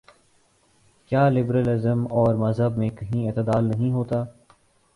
کیا liberalism اور مذہب میں کہیں اعتدال نہیں ہوتا؟